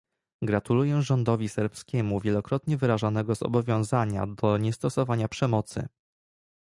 Gratuluję rządowi serbskiemu wielokrotnie wyrażanego zobowiązania do niestosowania przemocy